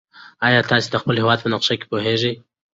ایا تاسي د خپل هېواد په نقشه پوهېږئ؟